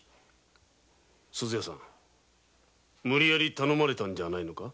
鈴屋さん無理やり頼まれたんじゃないのか？